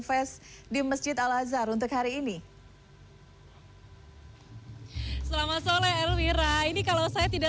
fest di masjid al azhar untuk hari ini selamat sore elvira ini kalau saya tidak